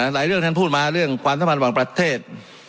หลายเรื่องท่านพูดมาเรื่องสมัครประเทศ